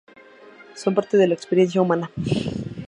Son parte de la experiencia humana.